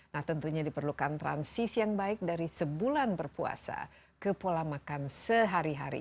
nah tentunya diperlukan transisi yang baik dari sebulan berpuasa ke pola makan sehari hari